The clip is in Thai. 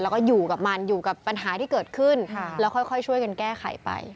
แล้วก็อยู่กับมันอยู่กับปัญหาที่เกิดขึ้นแล้วค่อยช่วยกันแก้ไขไป